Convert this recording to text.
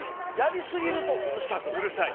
やりすぎるとうるさくなる。